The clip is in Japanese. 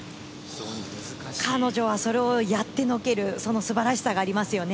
彼女はそれをやってのけるその素晴らしさがありますよね。